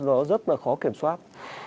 nó rất là khó kiểm soát